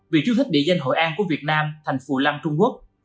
vì chiếu thích địa danh hội an của việt nam thành phù lăng trung quốc